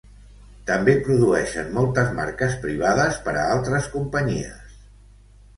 També produeixen moltes marques privades per a altres companyies.